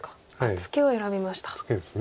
ツケです。